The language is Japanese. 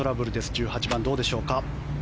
１８番、どうでしょうか。